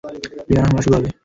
বিমান হামলা শুরু হবে।